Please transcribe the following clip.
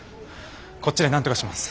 こっちでなんとかします。